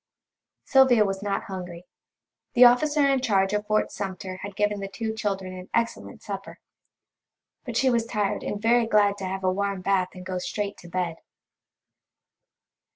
Sylvia was not hungry. The officer in charge of Fort Sumter had given the two children an excellent supper. But she was tired and very glad to have a warm bath and go straight to bed.